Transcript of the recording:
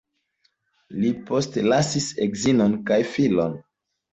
Li postlasis edzinon kaj filon.